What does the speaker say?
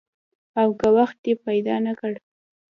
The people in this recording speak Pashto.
او که وخت دې پیدا نه کړ؟